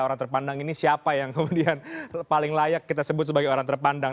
orang terpandang ini siapa yang kemudian paling layak kita sebut sebagai orang terpandang